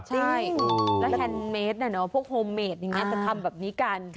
ใช่และแฮนเมตต์พวกโฮมเมตต์จะทำแบบนี้กัน